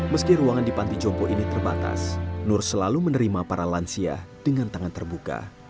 meski ruangan di panti jompo ini terbatas nur selalu menerima para lansia dengan tangan terbuka